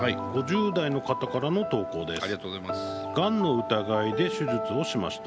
「がんの疑いで手術をしました。